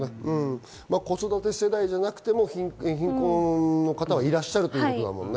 子育て世代じゃなくても貧困の方はいらっしゃるということだもんね。